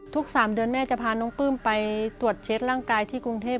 ๓เดือนแม่จะพาน้องปลื้มไปตรวจเช็ดร่างกายที่กรุงเทพ